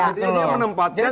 jadi ini dia menempatkan